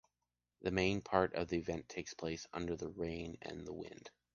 The main part of the event takes place under the rain and the wind.